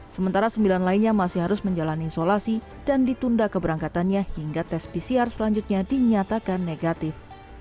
sementara sembilan lainnya masih harus menjalani isolasi dan ditunda keberangkatannya hingga tes pcr selanjutnya dinyatakan negatif